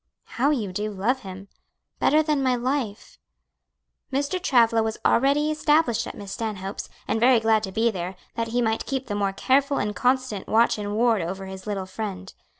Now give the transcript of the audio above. '" "How you do love him!" "Better than my life!" Mr. Travilla was already established at Miss Stanhope's, and very glad to be there, that he might keep the more careful and constant watch and ward over his "little friend."